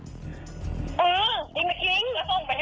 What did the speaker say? อาจารย์มีคนได้ไปรางวัลที่๑แหละ